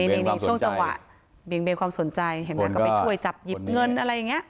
นี่ช่วงจังหวะเบี่ยงเบนความสนใจเห็นไหมก็ไปช่วยจับหยิบเงินอะไรอย่างนี้